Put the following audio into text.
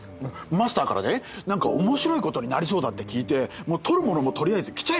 マスターからね何か面白いことになりそうだって聞いてもう取るものも取りあえず来ちゃいましたよ。